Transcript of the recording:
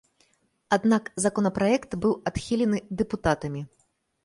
Аднак законапраект быў адхілены дэпутатамі.